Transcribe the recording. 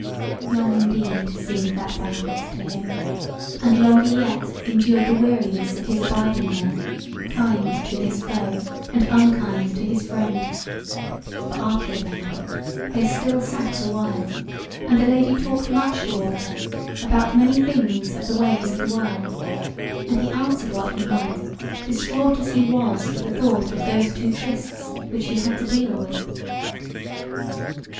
Long indeed seemed that banquet to him, and longer yet endured the weariness of his abiding there, kind to his foe and unkind to his friend; for after the banquet they still sat a while, and the Lady talked much to Walter about many things of the ways of the world, and he answered what he might, distraught as he was with the thought of those two trysts which he had to deal with.